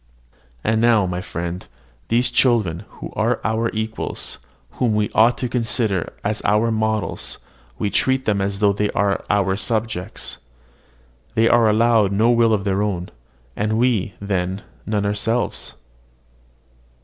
And now, my friend, these children, who are our equals, whom we ought to consider as our models, we treat them as though they were our subjects. They are allowed no will of their own. And have we, then, none ourselves?